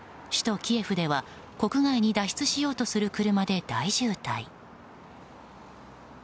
首都キエフでは国外に脱出しようとする車で大渋滞。